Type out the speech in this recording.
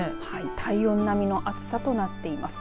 体温並みの暑さとなっています。